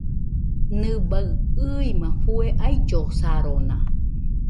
Nɨbaɨ ɨima fue aillosarona.